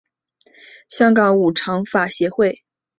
香港五常法协会